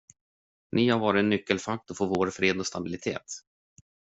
Ni har varit en nyckelfaktor för vår fred och stabilitet.